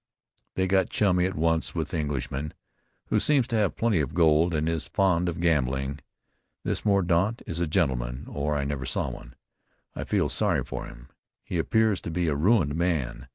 They got chummy at once with the Englishman, who seems to have plenty of gold and is fond of gambling. This Mordaunt is a gentleman, or I never saw one. I feel sorry for him. He appears to be a ruined man.